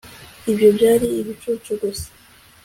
ibyo byari ibicucu gusa